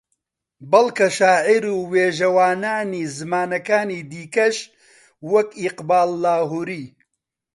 بەڵکە شاعیر و وێژەوانانی زمانەکانی دیکەش وەک ئیقباڵ لاھووری